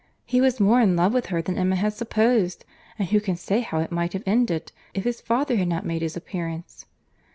—He was more in love with her than Emma had supposed; and who can say how it might have ended, if his father had not made his appearance?